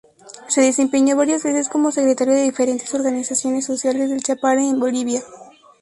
Se desempeñó varias veces como secretario de diferentes organizaciones sociales del Chapare en Bolivia.